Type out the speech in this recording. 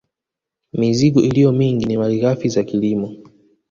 Mizigo iliyo mingi ni malighafi za kilimo